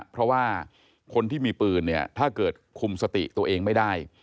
เพราะว่าคนที่มีปืนเนี่ยถ้าเกิดคุมสติตัวเองไม่ได้